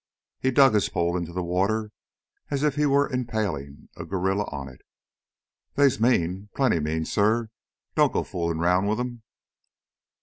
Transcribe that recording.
He dug his pole into the water as if he were impaling a guerrilla on it. "They's mean, plenty mean, suh. Don't go foolin' 'round them!"